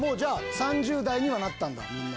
３０代にはなったんだみんな。